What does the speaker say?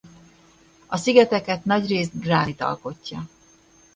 A szigeteket nagyrészt gránit alkotja.